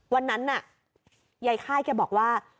วันนั้นน่ะยายค่ายแกบอกว่า